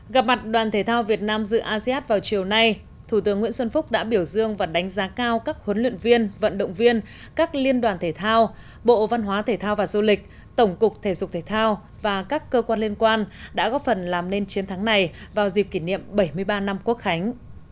gặp mặt đoàn thể thao việt nam dự asean vào chiều nay thủ tướng nguyễn xuân phúc đã biểu dương và đánh giá cao các huấn luyện viên vận động viên các liên đoàn thể thao bộ văn hóa thể thao và du lịch tổng cục thể dục thể thao và các cơ quan liên quan đã góp phần làm nên chiến thắng này vào dịp kỷ niệm bảy mươi ba năm quốc khánh